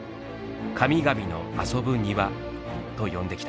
「神々の遊ぶ庭」と呼んできた。